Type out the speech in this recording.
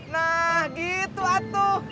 nah gitu atuh